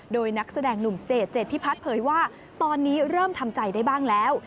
โดยนักแสดงหนุ่มเจดเจดพิพัฒน์เผยว่าตอนนี้เริ่มทำใจได้บ้างแล้ว